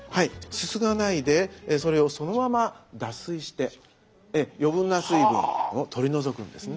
すすがないでそれをそのまま脱水して余分な水分を取り除くんですね。